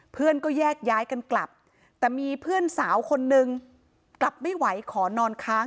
เพื่อนก็แยกย้ายกันกลับแต่มีเพื่อนสาวคนนึงกลับไม่ไหวขอนอนค้าง